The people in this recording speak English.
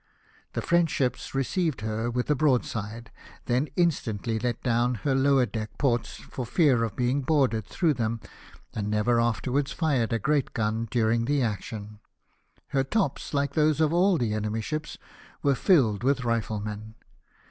The French ship received her with a broadside ; then instantly let down her lower deck ports for fear of being boarded through them, and never afterwards fired a great gun during the action. Her tops, like those of all the enemy's ships, were filled with riflemen.